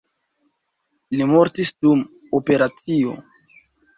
Li mortis dum operacio.